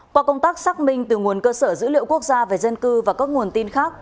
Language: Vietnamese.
qua công tác xác minh từ nguồn cơ sở dữ liệu quốc gia về dân cư và các nguồn tin khác